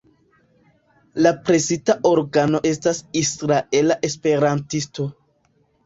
La presita organo estas "Israela Esperantisto".